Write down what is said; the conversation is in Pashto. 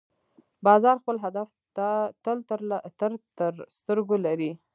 باز خپل هدف تل تر سترګو لري